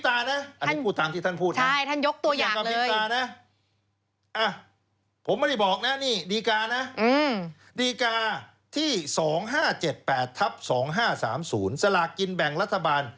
แต่ผมเอาดีการ